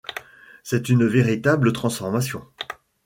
C’est une véritable transformation.